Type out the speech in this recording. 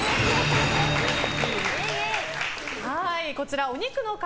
こちらお肉の塊